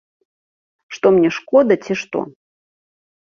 Што мне, шкода, ці што?